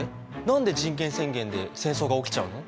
何で人権宣言で戦争が起きちゃうの？